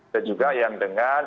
dan juga yang dengan